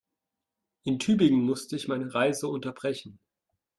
In Tübingen musste ich meine Reise unterbrechen